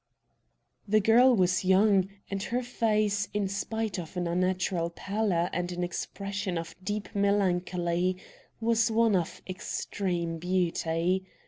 The girl was young, and her face, in spite of an unnatural pallor and an expression of deep melancholy, was one of extreme beauty.